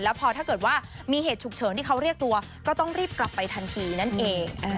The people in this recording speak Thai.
พอถ้าเกิดว่ามีเหตุฉุกเฉินที่เขาเรียกตัวก็ต้องรีบกลับไปทันทีนั่นเอง